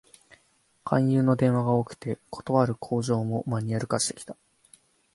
勧誘の電話が多くて、断る口上もマニュアル化してきた